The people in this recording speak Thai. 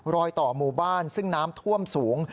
รอยต่อหมู่บ้านซึ่งน้ำท่วมสูง